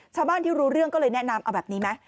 ชาวบ้านที่รู้เรื่องก็เลยแนะนำเอาแบบนี้มั้ย